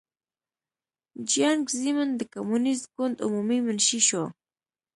جیانګ زیمن د کمونېست ګوند عمومي منشي شو.